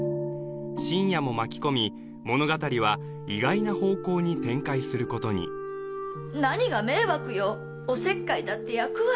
信也も巻き込み物語は意外な方向に展開することに何が迷惑よおせっかいだって焼くわよ